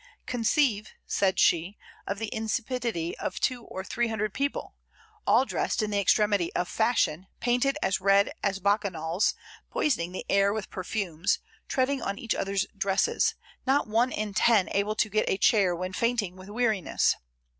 "Conceive," said she, "of the insipidity of two or three hundred people, all dressed in the extremity of fashion, painted as red as bacchanals, poisoning the air with perfumes, treading on each other's dresses, not one in ten able to get a chair when fainting with weariness.